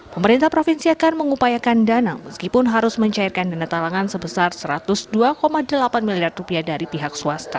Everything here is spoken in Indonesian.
pemerintah provinsi akan mengupayakan dana meskipun harus mencairkan dana talangan sebesar rp satu ratus dua delapan miliar rupiah dari pihak swasta